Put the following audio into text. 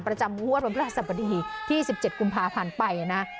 ประจำอ้วดบรรพธรรมดีที่๑๗กุมภาพันธ์ไปนะ